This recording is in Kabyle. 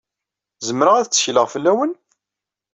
Zemreɣ ad tekkleɣ fell-awen?